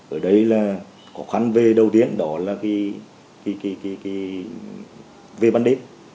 ở đây là khó khăn về đầu tiên đó là về ban đêm